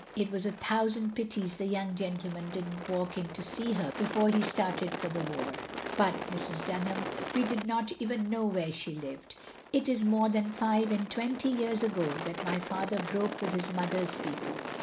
It was a thousand pities the young gentleman didn't walk in to see her before he started for the war." "But, Mrs. Dunham, we did not even know where she lived. It is more than five and twenty years ago that my father broke with his mother's people.